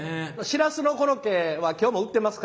シラスのコロッケは今日も売ってますか？